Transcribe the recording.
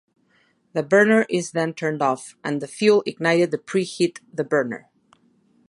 The burner is then turned off, and the fuel ignited to preheat the burner.